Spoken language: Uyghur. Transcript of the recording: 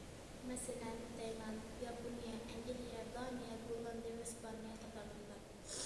مەسىلەن: تايلاند، ياپونىيە، ئەنگلىيە، دانىيە، گوللاندىيە ۋە ئىسپانىيە قاتارلىقلار.